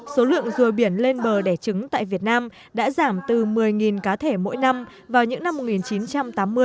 số lượng rùa biển lên bờ đẻ trứng tại việt nam đã giảm từ một mươi cá thể mỗi năm vào những năm một nghìn chín trăm tám mươi